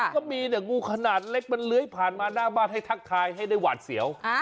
ก็มีเนี่ยงูขนาดเล็กมันเลื้อยผ่านมาหน้าบ้านให้ทักทายให้ได้หวาดเสียว